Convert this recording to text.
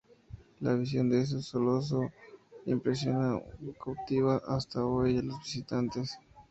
La visión de ese coloso impresiona y cautiva hasta hoy a los visitantes.